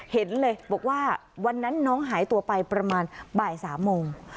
เห็นเลยบอกว่าวันนั้นน้องหายตัวไปประมาณบ่าย๓โมง